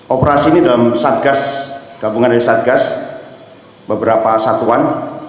operasi ini dalam satgas gabungan dari satgas beberapa satuan